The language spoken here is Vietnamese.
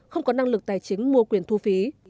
không có năng lực tài chính mua quyền thu phí